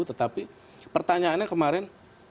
tetapi pertanyaannya kemarin